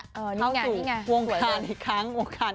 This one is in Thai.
เท่าสุดวงการอีเว้นต์อีกครั้ง